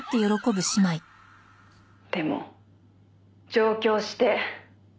「でも上京して」